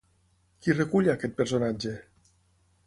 Qui recull a aquest personatge?